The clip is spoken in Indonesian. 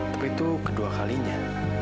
tapi itu kedua kalinya